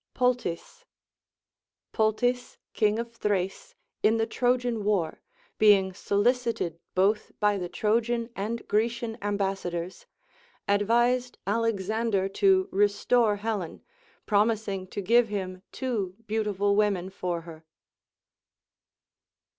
PoLTYS. Poltys king of Thrace, in the Trojan Λvar, being solicited both by the Trojan and Grecian ambassa dors, advised Alexander to restore Helen, promising to give him two beautiful women for her.